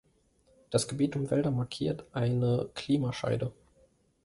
Das Gebiet um Welda markiert eine Klimascheide.